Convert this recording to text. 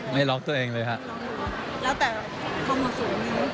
ไม่ลองตัวเองเลยครับ